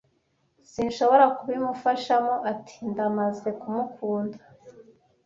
"Sinshobora kubimfashamo", ati: "Ndamaze kumukunda".